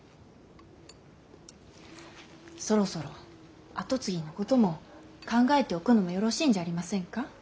そろそろ跡継ぎのことも考えておくのもよろしいんじゃありませんか。